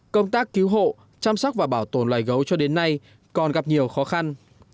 công tác cứu hộ chăm sóc và bảo tồn loài gấu cho đến nay còn gặp nhiều khó khăn